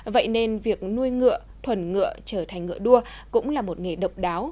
vậy nên việc nuôi ngựa thuần ngựa trở thành ngựa đua cũng là một nghề độc đáo